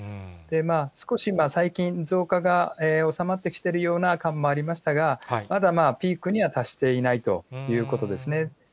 少し最近、増加が収まってきているような感もありましたが、まだピークには達していないということですね。